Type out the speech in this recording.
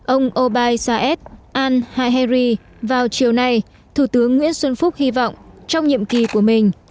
ông obai saed al haheri vào chiều nay thủ tướng nguyễn xuân phúc hy vọng trong nhiệm kỳ của mình